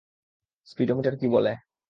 Speedometer কি বলে?